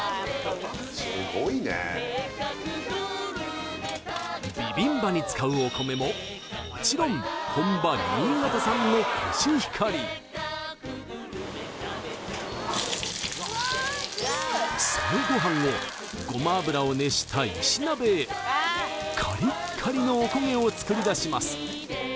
すごいねビビンバに使うお米ももちろん本場新潟産のコシヒカリそのご飯をごま油を熱した石鍋へカリッカリのおこげを作り出します